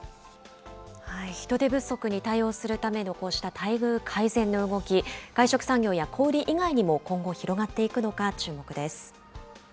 人手不足に対応するためのこうした待遇改善の動き、外食産業や小売り以外にも今後、広がっていくのか注目です。